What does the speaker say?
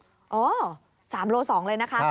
๓๒กิโลเมตรเลยนะคะ